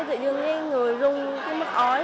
thì nghe người rung mất ói